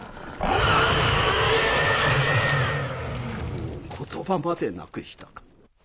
もう言葉までなくしたか。